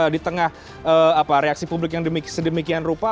di tengah reaksi publik yang sedemikian rupa